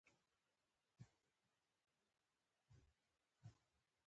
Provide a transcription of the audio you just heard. نو ټول دیاړي ماران راپورې نښتي وي ـ او ما تنګوي